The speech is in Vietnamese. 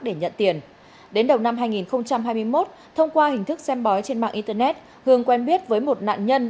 đến đầu năm hai nghìn hai mươi một thông qua hình thức xem bói trên mạng internet hương quen biết với một nạn nhân